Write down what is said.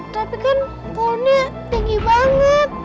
tapi kan pohonnya tinggi banget